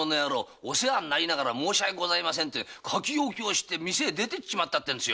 「お世話になりながら申し訳ありません」て書き置きして店を出てっちまったっていうんです。